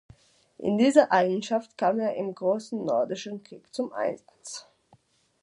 In dieser Eigenschaft kam er im Großen Nordischen Krieg zum Einsatz.